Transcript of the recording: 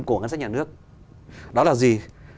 của ngân sách nhà nước đó là gì